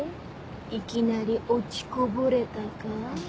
いきなり落ちこぼれたか？